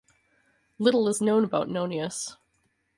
Little is known about Nonius.